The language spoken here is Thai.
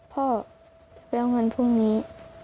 พ่อไปเอาเงินพรุ่งนี้